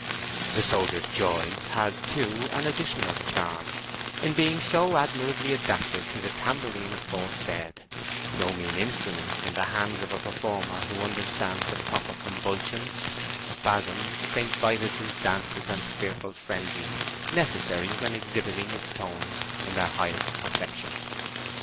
"The Soldier's Joy" has, too, an additional charm, in being so admirably adapted to the tambourine aforesaid—no mean instrument in the hands of a performer who understands the proper convulsions, spasms, St. Vitus's dances, and fearful frenzies necessary when exhibiting its tones in their highest perfection.